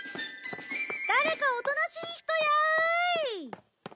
誰かおとなしい人やい！